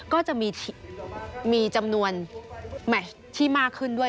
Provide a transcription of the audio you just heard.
ก็จะมีจำนวนใหม่ที่มากขึ้นด้วย